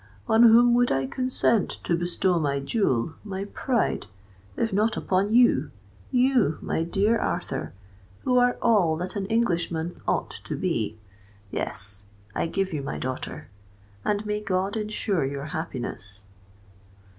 On whom would I consent to bestow my jewel, my pride, if not upon you—you, my dear Arthur, who are all that an Englishman ought to be? Yes—I give you my daughter; and may God ensure your happiness!"